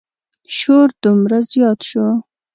شور دومره زیات شو.